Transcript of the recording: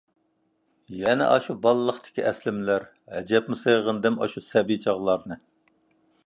يەنە ئاشۇ بالىلىقتىكى ئەسلىمىلەر، ھەجەپمۇ سېغىندىم ئاشۇ سەبىي چاغلارنى...